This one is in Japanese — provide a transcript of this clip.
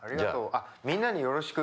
あっみんなによろしく。